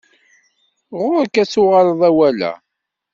Ɣuṛ-k ad tuɣaleḍ awal-a.